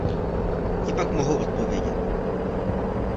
Ti pak mohou odpovědět.